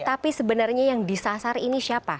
tapi sebenarnya yang disasar ini siapa